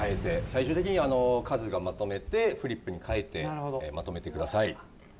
最終的にカズがまとめてフリップに書いてまとめてください。